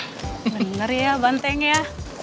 bener ya banteng ya